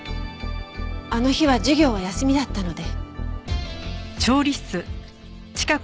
あの日は授業は休みだったので。